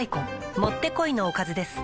もってこいのおかずです